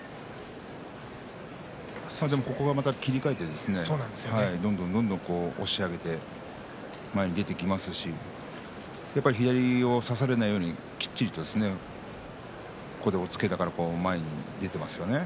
ここは切り替えて、またどんどんどんどん押し上げて前に出ていきますし左を差されないようにきっちりと押っつけながら前に出ていますよね。